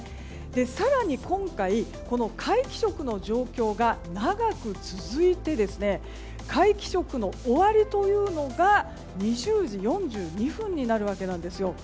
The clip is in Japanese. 更に、今回皆既食の状況が長く続いて皆既食の終わりというのが２０時４２分になるんです。